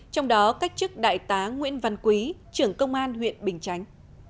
trong đó cách chức đại tá nguyễn văn quý trưởng công an huyện bình chánh